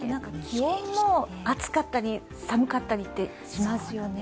気温も暑かったり寒かったりしますよね。